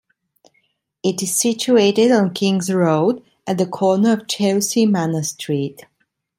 It is situated on King's Road, at the corner of Chelsea Manor Street.